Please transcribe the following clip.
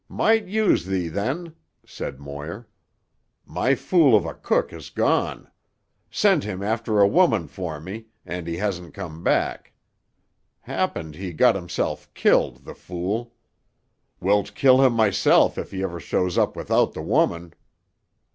"Might use thee then," said Moir. "My fool of a cook has gone. Sent him after a woman for me, and he hasn't come back. Happen he got himself killed, tuh fool. Wilt kill him myself if he ever shows up without tuh woman.